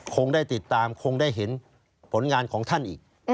คงได้ติดตามคงได้เห็นผลงานของท่านอีก